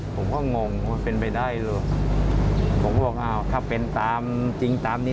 ผมก็งงว่าเป็นไปได้ลูกผมก็บอกอ้าวถ้าเป็นตามจริงตามนี้